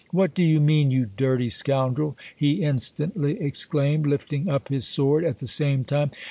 "What do you mean, you dirty scoundrel!" he instantly exclaimed ; Jifting up his sword at the same lime.